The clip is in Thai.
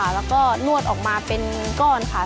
แล้วก็นวดออกมาเป็นก้อนค่ะ